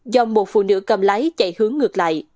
do một phụ nữ cầm lái chạy hướng ngược lại